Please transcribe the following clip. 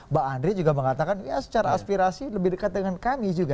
mbak andre juga mengatakan ya secara aspirasi lebih dekat dengan kami juga